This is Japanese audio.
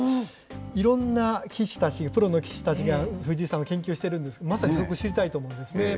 いろんな棋士たち、プロの棋士たちが藤井さんを研究してるんですけれども、まさにそこ、知りたいと思うんですね。